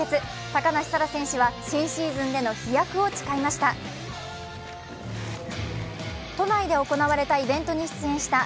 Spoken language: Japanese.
高梨沙羅選手は新シーズンでの飛躍を誓いました。